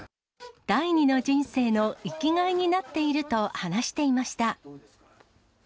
第二の人生の生きがいになっていると話していました。